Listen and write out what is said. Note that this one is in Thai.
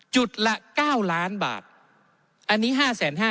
จุดละ๙ล้านบาทอันนี้๕๕๐๐